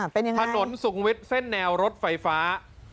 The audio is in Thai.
ถนนสุขุมวิทย์เส้นแนวรถไฟฟ้า